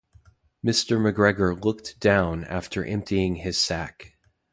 Mr McGregor looked down after emptying his sack.